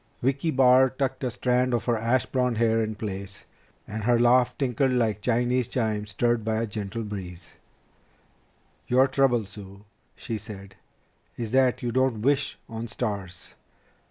Vicki Barr tucked a strand of her ash blond hair in place, and her laugh tinkled like Chinese chimes stirred by a gentle breeze. "Your trouble, Sue," she said, "is that you don't wish on stars.